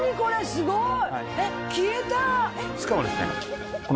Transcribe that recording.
すごーい！